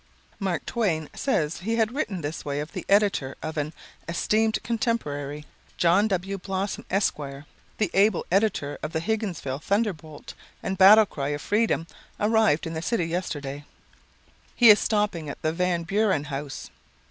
Mark Twain says he had written this way of the editor of an "esteemed contemporary": "John W. Blossom, Esq., the able editor of the Higginsville Thunderbolt and Battle Cry of Freedom arrived in the city yesterday. He is stopping at the Van Buren House."